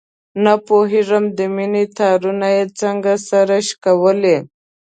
نه پوهېږم د مینې تارونه یې څنګه سره شکولي.